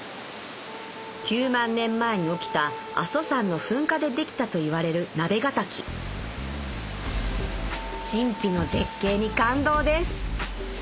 ９万年前に起きた阿蘇山の噴火でできたといわれる鍋ヶ滝神秘の絶景に感動です！